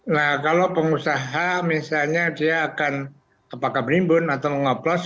nah kalau pengusaha misalnya dia akan apakah menimbun atau mengoplos